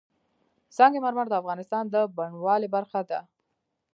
سنگ مرمر د افغانستان د بڼوالۍ برخه ده.